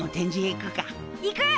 行く！